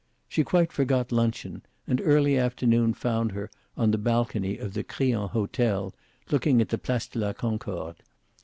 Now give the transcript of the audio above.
She quite forgot luncheon, and early afternoon found her on the balcony of the Crillon Hotel, overlooking the Place de la Concorde.